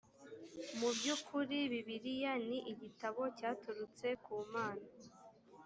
mu by ukuri bibiliya ni igitabo cyaturutse ku mana